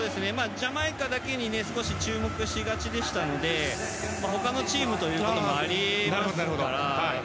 ジャマイカだけに注目しがちでしたので他のチームということもありますから。